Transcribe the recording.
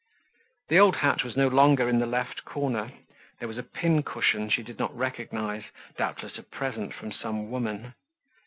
The old hat was no longer in the left corner. There was a pincushion she did not recognize, doubtless a present from some woman.